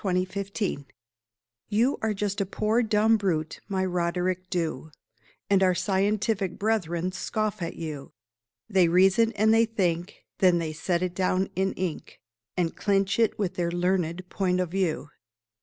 RODERICK DHU You are just a poor dumb brute, my Roderick Dhu, And our scientific brethren scoff at you. They "reason" and they "think," Then they set it down in ink, And clinch it with their learned "point of view."